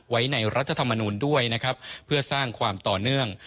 ไว้ในรัฐธรรมนูลด้วยนะครับเพื่อสร้างความต่อเนื่อง